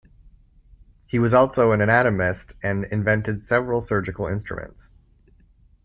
He was also an anatomist and invented several surgical instruments.